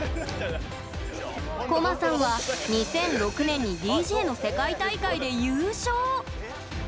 ＣＯ‐ＭＡさんは２００６年にＤＪの世界大会で優勝。